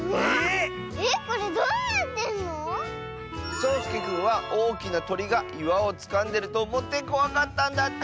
そうすけくんはおおきなとりがいわをつかんでるとおもってこわかったんだって！